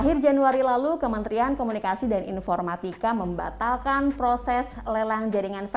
akhir januari lalu kementerian komunikasi dan informatika membatalkan proses lelang jaringan festi